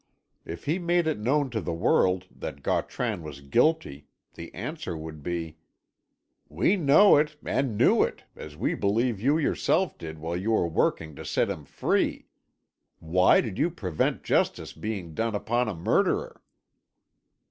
If he made it known to the world that Gautran was guilty, the answer would be: "We know it, and knew it, as we believe you yourself did while you were working to set him free. Why did you prevent justice being done upon a murderer?"